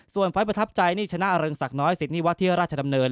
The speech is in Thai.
ส่วนไฟล์ประทับใจชนะเริงศักดิ์น้อยศิษย์นี้วัฒนีราชดำเนิน